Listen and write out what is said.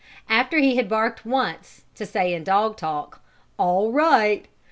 After he had barked once, to say, in dog talk: "All right!"